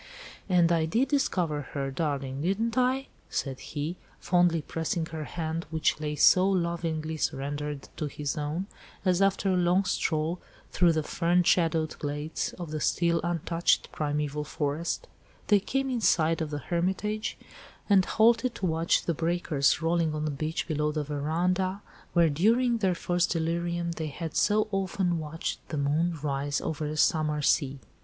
"And I did discover her, darling, didn't I?" said he, fondly pressing her hand which lay so lovingly surrendered to his own, as after a long stroll through the fern shadowed glades of the still untouched primeval forest, they came in sight of the Hermitage, and halted to watch the breakers rolling on the beach below the verandah, where during their first delirium they had so often watched the moon rise over a summer sea.